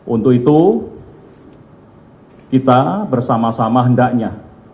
untuk itu kita bersama sama hendaknya